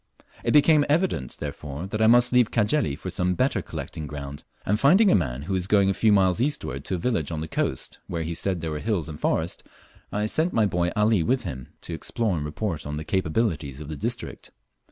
It became evident, therefore, that I must leave Cajeli for some better collecting ground, and finding a man who was going a few miles eastward to a village on the coast where he said there were hills and forest, I sent my boy Ali with him to explore and report on the capabilities of the district.